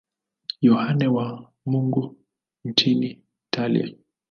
Yohane wa Mungu nchini Italia.